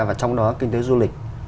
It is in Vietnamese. và trong đó kinh tế du lịch